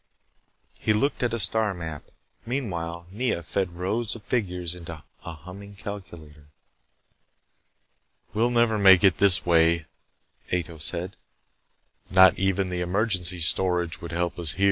He looked at a star map. Meanwhile, Nea fed rows of figures into a humming calculator. "We'll never make it this way," Ato said. "Not even the emergency storage would help us.